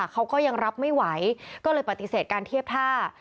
เขาก็ยังรับไม่ไหวก็เลยปฏิเสธการเทียบท่า